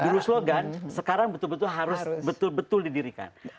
guru slogan sekarang betul betul harus betul betul didirikan